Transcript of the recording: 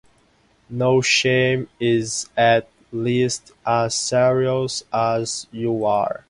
No Shame is at least as serious as you are.